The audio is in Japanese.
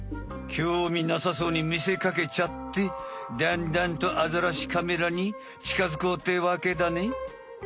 きょうみなさそうに見せかけちゃってだんだんとアザラシカメラにちかづこうってわけだね。